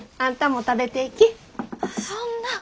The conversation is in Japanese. そんな。